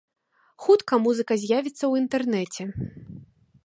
Хутка музыка з'явіцца ў інтэрнэце.